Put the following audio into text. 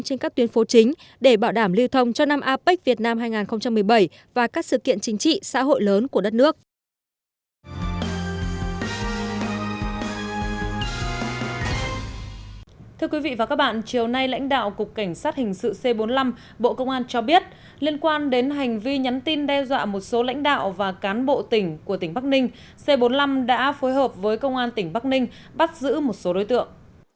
nhắn tin đe dọa một số lãnh đạo và cán bộ tỉnh của tỉnh bắc ninh c bốn mươi năm đã phối hợp với công an tỉnh bắc ninh bắt giữ một số đối tượng